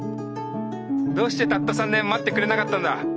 どうしてたった３年待ってくれなかったんだ？